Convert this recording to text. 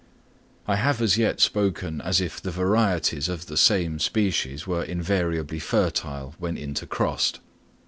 I have as yet spoken as if the varieties of the same species were invariably fertile when intercrossed.